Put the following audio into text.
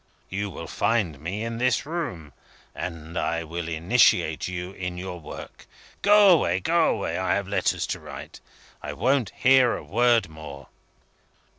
You will find me in this room; and I will myself initiate you in your work. Go away! go away! I have letters to write. I won't hear a word more."